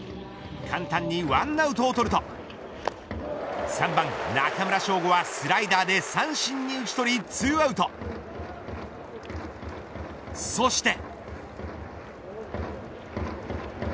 簡単に１アウトをとると３番、中村奨吾はスライダーで三振に打ち取り２アウトそして。